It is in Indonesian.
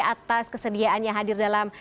atas kesediaannya hadir dalam